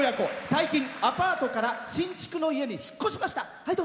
最近アパートから新築の家に引っ越しました。